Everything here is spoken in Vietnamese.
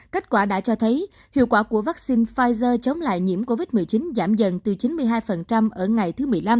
kết quả đã cho thấy hiệu quả của vaccine pfizer chống lại nhiễm covid một mươi chín giảm dần từ chín mươi hai ở ngày thứ một mươi năm